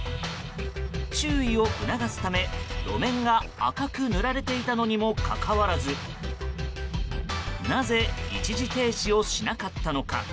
注意を促すため、路面が赤く塗られていたのにもかかわらずなぜ一時停止をしなかったのか。